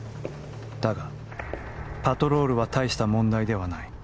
だが、パトロールは大した問題ではない。